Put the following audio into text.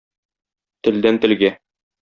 Телдән-телгә.